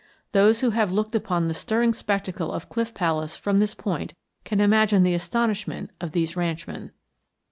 Those who have looked upon the stirring spectacle of Cliff Palace from this point can imagine the astonishment of these ranchmen.